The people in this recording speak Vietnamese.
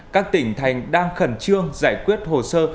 các tỉnh thành đang khẩn trương giải quyết hồ sơ